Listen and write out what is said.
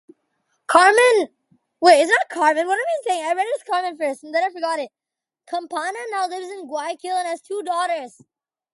Campana now lives in Guayaquil and has two daughters.